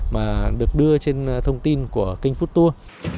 mà được đưa trên thông tin của kênh food tour